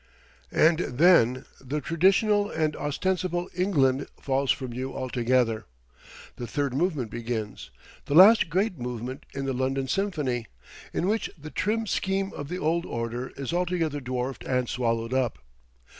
And then the traditional and ostensible England falls from you altogether. The third movement begins, the last great movement in the London symphony, in which the trim scheme of the old order is altogether dwarfed and swallowed up.